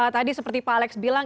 tadi seperti pak alex bilang